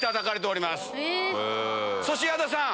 そして矢田さん。